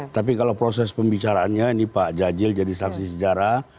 tapi kalau proses pembicaraannya ini pak jajil jadi saksi sejarah